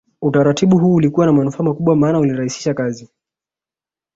Utaratibu huu ulikuwa na manufaa makubwa maana ulirahisisha kazi